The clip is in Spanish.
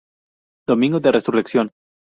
Domingo de Resurrección.